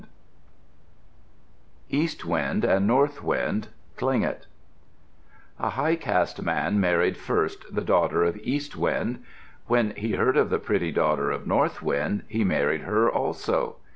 Andrews_] EAST WIND AND NORTH WIND Tlingit A high caste man married first the daughter of East Wind. When he heard of the pretty daughter of North Wind he married her also.